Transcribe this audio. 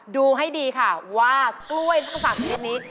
ดูให้ดีค่ะว่ากล้วยทั้ง๓ชนิดนี้